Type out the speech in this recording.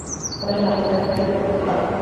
হতাশ হয়ে হাসপাতালে, নাকি খুশিতে টপলেস ক্লাবে?